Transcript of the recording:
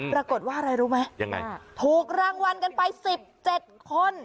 ปรากฏว่าอะไรรู้ไหมยังไงถูกรางวัลกันไป๑๗คน